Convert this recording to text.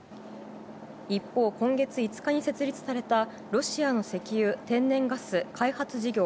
一方、今月５日に設立されたロシアの石油・天然ガス開発事業